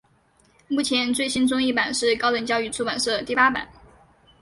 目前最新中译版是高等教育出版社第八版。